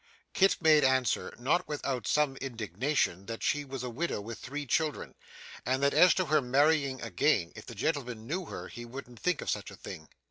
Kit made answer, not without some indignation, that she was a widow with three children, and that as to her marrying again, if the gentleman knew her he wouldn't think of such a thing.